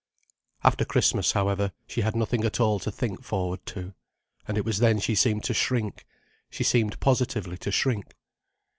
After Christmas, however, she had nothing at all to think forward to. And it was then she seemed to shrink: she seemed positively to shrink.